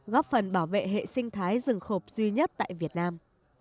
góp phần bảo vệ hệ sinh thái rừng khộp duy nhất tại việt nam